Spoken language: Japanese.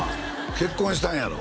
結婚したんやろ？